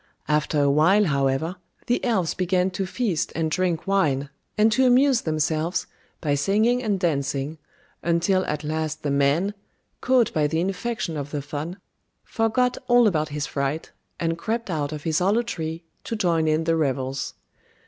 After a while, however, the elves began to feast and drink wine, and to amuse themselves by singing and dancing, until at last the man, caught by the infection of the fun, forgot all about his fright, and crept out of his hollow tree to join in the revels.